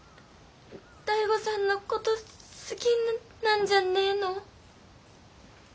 醍醐さんの事好きなんじゃねえの？